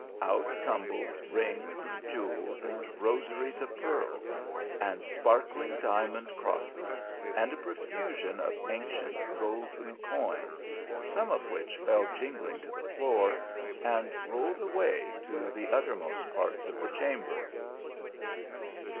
Out tumbled rings and jewels, and rosaries of pearls, and sparkling diamond cross es, and a profusion of ancient golden coin, some of which fell jingling to the floor, and rolled away to the uttermost parts of the chamber.